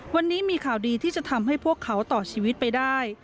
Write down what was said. วันนี้มีข่าวดีที่จะทำให้พวกเขาต่อชีวิตไปได้